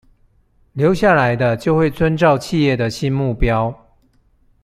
留下來的就會遵照企業的新目標